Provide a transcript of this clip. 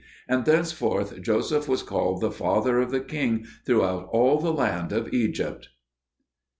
And thenceforth Joseph was called the father of the king throughout all the land of Egypt.